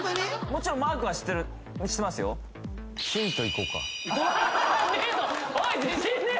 もちろんマークは知ってますよね